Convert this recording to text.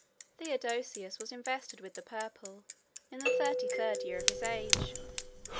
Theodosius was invested with the purple in the thirty third year of his age.